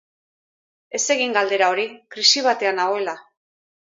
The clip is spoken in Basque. Ez egin galdera hori, krisi batean nagoela.